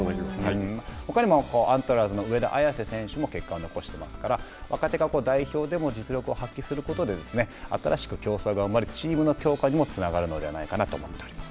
ほかにもアントラーズの上田綺世選手も結果を残していますから若手が代表でも実力を発揮することで新しく競争が生まれてチームの強化にもつながるのではないかなと思っております。